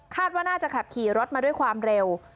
ว่าน่าจะขับขี่รถมาด้วยความเร็ว